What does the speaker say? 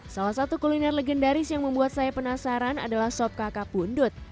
salah satu kuliner legendaris yang membuat saya penasaran adalah sop kakak pundut